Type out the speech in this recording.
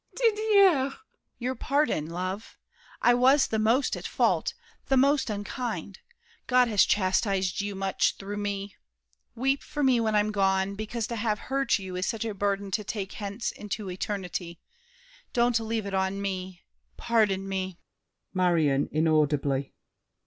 [He kneels before her. MARION. Didier! DIDIER. Your pardon, Love! I was the most at fault, the most Unkind. God has chastised you much through me. Weep for me when I'm gone, because to have Hurt you is such a burden to take hence Into eternity. Don't leave it on me; Pardon me!